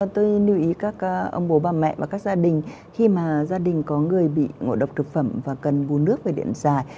tôi lưu ý các ông bố bà mẹ và các gia đình khi mà gia đình có người bị ngộ độc thực phẩm và cần bù nước về điện dài